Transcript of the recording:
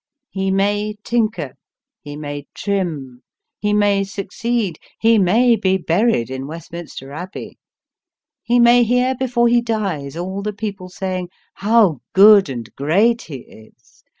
He may tinker, he may trim, he may succeed, he may be buried in Westminster Abbey, he may hear before he dies all the people saying, How good and great he is